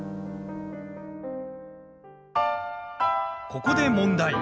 ここで問題。